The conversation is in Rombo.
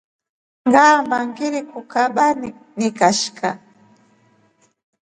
Ngama ngrkukabya nikashika.